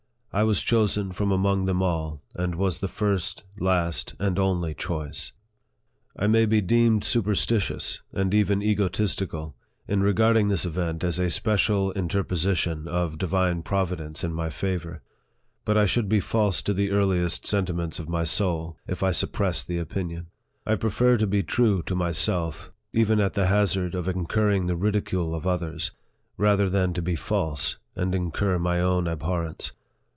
I was chosen from among them all, and was the first, last, and only choice. I may be deemed superstitious, and even egotistical, m regarding this event as a special interposition of divine Providence in my favor. But I should be false to the earliest sentiments of my soul, if I sup pressed the opinion. I prefer to be true to myself, even at the hazard of incurring the ridicule of others, rather than to be false, and incur my own ab horrence.